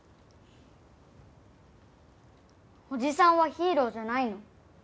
おじさんはヒーローじゃないの？